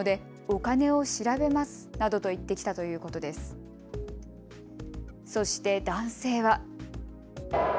そして男性は。